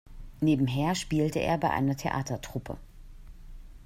Nebenher spielte er bei einer Theatertruppe.